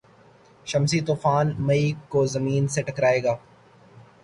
شمسی طوفان مئی کو زمین سے ٹکرائے گا